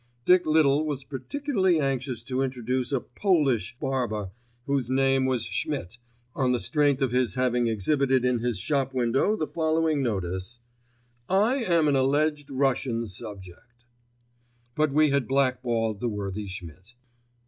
Dick Little was particularly anxious to introduce a "Polish" barber whose name was Schmidt, on the strength of his having exhibited in his shop window the following notice:— "I am an alleged Russian subject," but we had blackballed the worthy Schmidt.